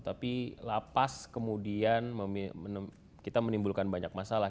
tapi lapas kemudian kita menimbulkan banyak masalah